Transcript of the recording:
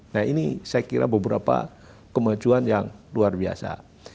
nah ini saya kira beberapa kemajuan yang luar biasa